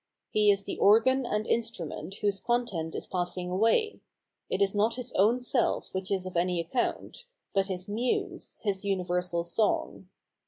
He is the organ and instrument whose content is passing away ; it is not his own self which is of any account, but his muse, his universal song.